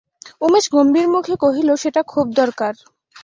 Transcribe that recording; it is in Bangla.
উমেশ গম্ভীরমুখে কহিল, সেটা খুব দরকার।